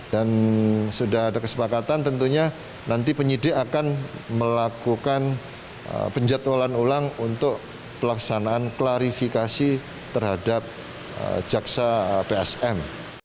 dan sudah ada kesepakatan tentunya nanti penyidik akan melakukan penjatuhan ulang untuk pelaksanaan klarifikasi terhadap jaksa psm